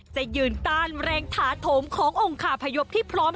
จะยืนต้านแรงถาโถมขององค์คาพยพที่พร้อม